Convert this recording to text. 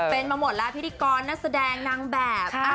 เป็นมาหมดแล้วพิธีกรนักแสดงนางแบบ